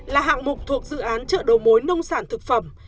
là hạng mục thuộc dự án chợ đầu mối nông sản thực phẩm